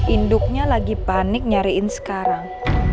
induknya lagi panik nyariin sekarang